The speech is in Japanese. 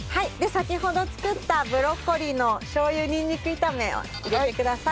先ほど作ったブロッコリーのしょう油にんにく炒めを入れてください。